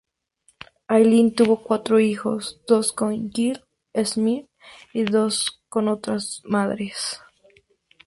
Allen tuvo cuatro hijos, dos con Gilli Smyth y dos con otras madres.